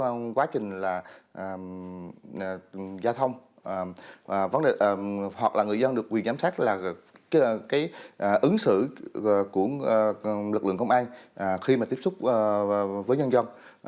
người dân được thực thi trong quá trình gia thông hoặc là người dân được quyền giám sát là ứng xử của lực lượng công an khi mà tiếp xúc với nhân dân